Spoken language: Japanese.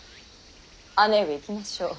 姉上行きましょう。